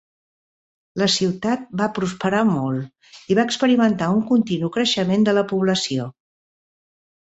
La ciutat va prosperar molt i va experimentar un continu creixement de la població.